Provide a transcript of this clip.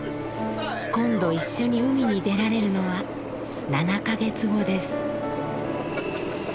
今度一緒に海に出られるのは７か月後です。